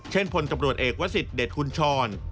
เช่นผลตำรวจเอกว่าสิทธิ์เดชคุณชร